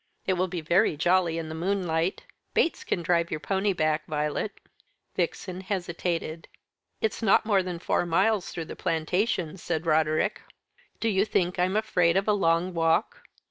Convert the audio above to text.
It will be very jolly in the moonlight. Bates can drive your pony back, Violet." Vixen hesitated. "It's not more than four miles through the plantations," said Roderick. "Do you think I am afraid of a long walk?"